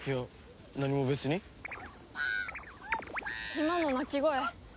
今の鳴き声。